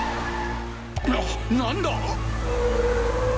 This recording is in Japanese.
な何だ！？